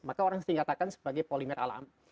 maka orang sebutnya sebagai polimer alam